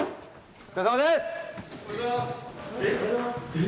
お疲れさまです。